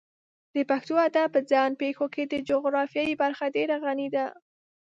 د پښتو ادب په ځان پېښو کې د جغرافیې برخه ډېره غني ده.